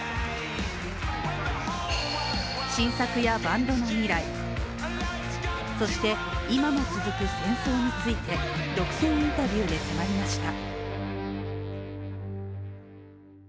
新作やバンドの未来、そして今も続く戦争について独占インタビューで迫りました。